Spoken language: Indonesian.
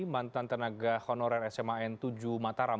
mantan tenaga honorer sma n tujuh mataram